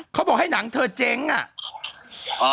เขาบอกให้หนังเธอเจ๊งอ่ะ